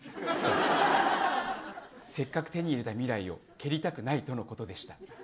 せっかく手に入れた未来を蹴りたくないとのことでした。